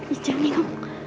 ih jangan ngo